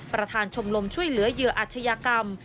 ประธานชมลมช่วยเหลือเยืออัจฉยากรรม